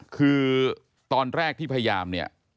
คือตอนแรกที่พยายามเนี่ย